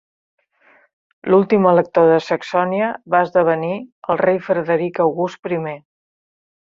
L'últim elector de Saxònia va esdevenir el rei Frederic August primer.